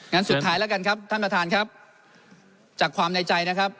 งั้นสุดท้ายแล้วกันครับท่านประธานครับจากความในใจนะครับ